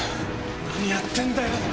何やってんだよ！